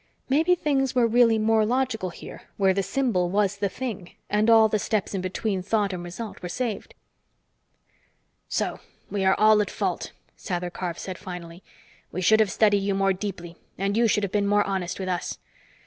Maybe things were really more logical here where the symbol was the thing, and all the steps in between thought and result were saved. "So we are all at fault," Sather Karf said finally. "We should have studied you more deeply and you should have been more honest with us.